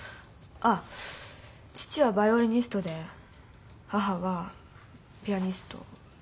父はバイオリニストで母はピアニストだった。